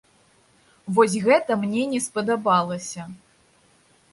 Вось гэта мне не спадабалася.